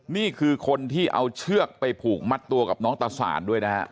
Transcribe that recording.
นี่คือคนที่เอาเชือกไปผูกมัดตัวกับน้องตะสานด้วยนะฮะ